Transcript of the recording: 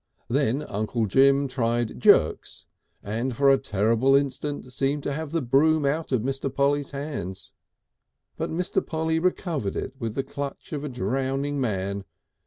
Then Uncle Jim tried jerks, and for a terrible instant seemed to have the broom out of Mr. Polly's hands. But Mr. Polly recovered it with the clutch of a drowning man.